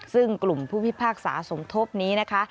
ซึ่งกลุ่มผู้พิพากษาสมทบนี้นะคะ